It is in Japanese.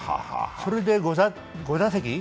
それで５打席？